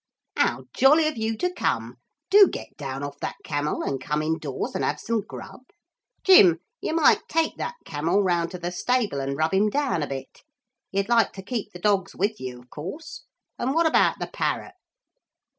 'How jolly of you to come. Do get down off that camel and come indoors and have some grub. Jim, you might take that camel round to the stable and rub him down a bit. You'd like to keep the dogs with you, of course. And what about the parrot?'